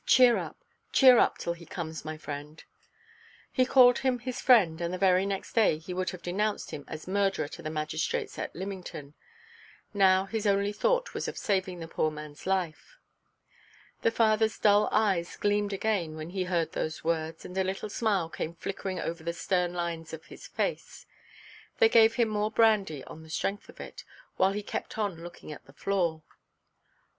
Cheer up, cheer up, till he comes, my friend." He called him his friend, and the very next day he would have denounced him as murderer to the magistrates at Lymington. Now his only thought was of saving the poor manʼs life. The fatherʼs dull eyes gleamed again when he heard those words, and a little smile came flickering over the stern lines of his face. They gave him more brandy on the strength of it, while he kept on looking at the door.